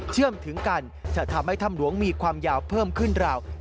เชื่อมถึงกันจะทำให้ถ้ำหลวงมีความยาวเพิ่มขึ้นราว